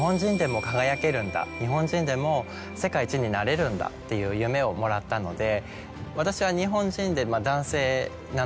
日本人でも世界一になれるんだっていう夢をもらったので。